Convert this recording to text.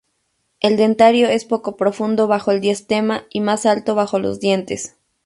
El dentario es poco profundo bajo el diastema y más alto bajo los dientes.